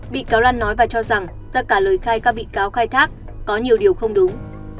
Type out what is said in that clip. bị cáo loan nói và cho rằng tất cả lời khai các bị cáo khai thác có nhiều điều không đúng